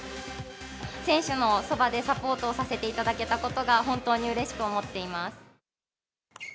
選手のそばでサポートさせていただけたことが本当にうれしく思っています。